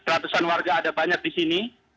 ratusan warga ada banyak di sini